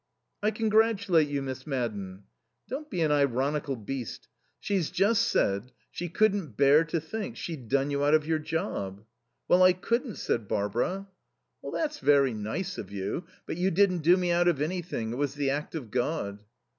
"I congratulate you, Miss Madden." "Don't be an ironical beast. She's just said she couldn't bear to think she'd done you out of your job." "Well, I couldn't," said Barbara. "That's very nice of you. But you didn't do me out of anything. It was the act of God."